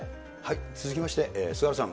続きまして、菅原さん。